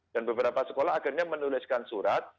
dan beberapa sekolah akhirnya menuliskan surat